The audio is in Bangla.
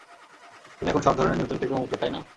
তুমি এখন সব ধরনের নিয়ন্ত্রণ থেকে মুক্ত, তাই না?